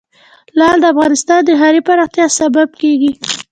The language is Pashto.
لعل د افغانستان د ښاري پراختیا سبب کېږي.